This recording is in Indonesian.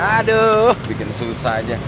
aduh bikin susah aja